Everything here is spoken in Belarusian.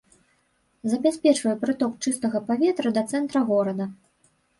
Забяспечвае прыток чыстага паветра да цэнтра горада.